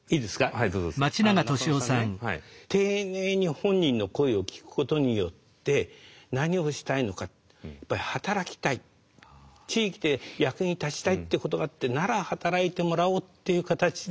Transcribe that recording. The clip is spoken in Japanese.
丁寧に本人の声を聞くことによって何をしたいのか働きたい地域で役に立ちたいってことがあってなら働いてもらおうっていう形で。